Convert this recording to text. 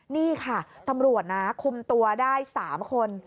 นี่ค่ะตำรวจนะคุมตัวได้๓คน